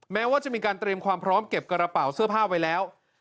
แม้ว่าจะมีการเตรียมความพร้อมเก็บกระเป๋าเสื้อผ้าไว้แล้ว